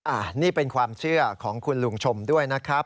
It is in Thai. อันนี้เป็นความเชื่อของคุณลุงชมด้วยนะครับ